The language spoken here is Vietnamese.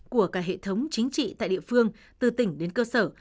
của cả hệ thống chính trị tại địa phương từ tỉnh đến cơ sở